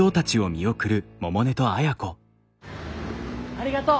ありがとう。